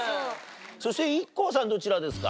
そしてＩＫＫＯさんどちらですか？